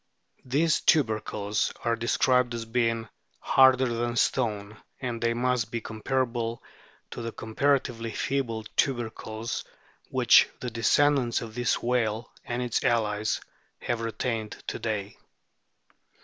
These tubercles are described as being " harder than stone, " and they must be comparable to the comparatively feeble tubercles which the descendants of this whale and its allies have retained to day.